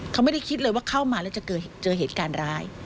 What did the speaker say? เขาไม่ได้คิดเลยว่าเข้ามาแล้วจะเจอเหตุการณ์ร้าย